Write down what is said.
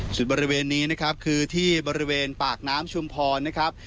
บริเวณนี้นะครับคือที่บริเวณปากน้ำชุมพรนะครับ